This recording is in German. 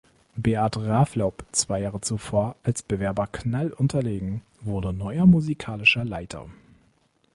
Beat Raaflaub, zwei Jahre zuvor als Bewerber Knall unterlegen, wurde neuer musikalischer Leiter.